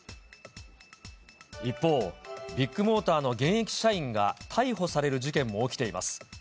一方、ビッグモーターの現役社員が逮捕される事件も起きています。